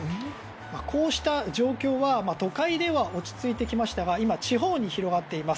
こうした状況は都会では落ち着いてきましたが今、地方に広がっています。